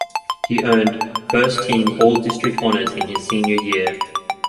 He earned first-team All-District honors in his senior year.